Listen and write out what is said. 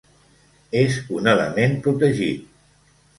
És un element protegit.